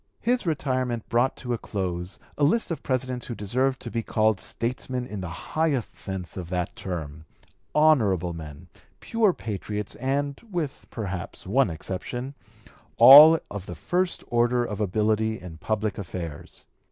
His retirement brought to a close a list of Presidents who deserved to be called statesmen in the highest sense of that term, honorable men, pure patriots, and, with perhaps one exception, all of the first order of ability in public affairs.